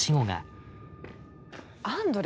あアンドレ？